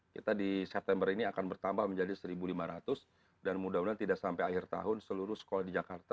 kita di september ini akan bertambah menjadi satu lima ratus dan mudah mudahan tidak sampai akhir tahun seluruh sekolah di jakarta